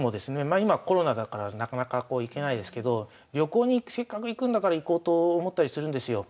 今コロナだからなかなかこう行けないですけど旅行にせっかく行くんだから行こうと思ったりするんですよ。